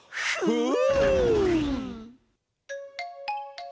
うん。